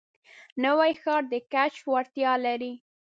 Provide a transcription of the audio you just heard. نوی ښار د کشف وړتیا لري